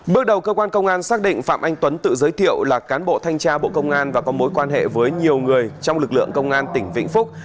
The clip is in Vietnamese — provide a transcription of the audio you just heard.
bước đầu cơ quan công an xác định phạm anh tuấn tự giới thiệu là cán bộ thanh tra bộ công an và có mối quan hệ với nhiều người trong lực lượng công an tỉnh vĩnh phúc